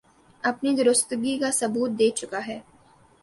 اپنی درستگی کا ثبوت دے چکا ہے